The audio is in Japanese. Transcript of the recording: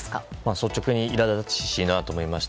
率直にいら立たしいなと思いました。